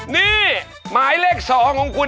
นี่หมายเลข๒ของคุณ